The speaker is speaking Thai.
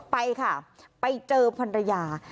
ไปค่ะไปเจอพันธุระยา